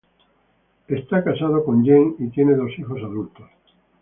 Él está casado con Jane y tienen dos hijos adultos.